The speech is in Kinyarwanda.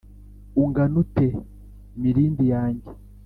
ungana ute mirindi yange